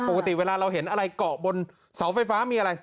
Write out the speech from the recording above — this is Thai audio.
ปกติเวลาเราเห็นอะไรเกาะบนเสาไฟฟ้ามีอะไร